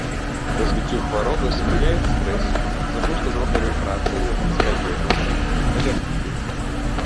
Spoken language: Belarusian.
Развіццю хваробы спрыяюць стрэс, загрузка зрокавай працай на блізкай адлегласці, алергія.